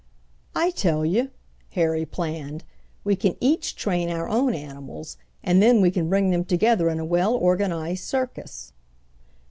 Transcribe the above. "I tell you!" Harry planned. "We can each train our own animals and then we can bring them together in a well organized circus."